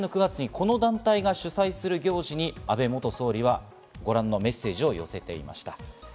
去年の９月にこの団体が主催する行事に安倍元総理はご覧のメッセージを寄せていました。